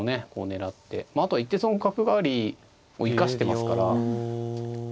あとは一手損角換わりを生かしてますから。